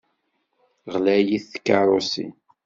Ɣlayit tkeṛṛusin.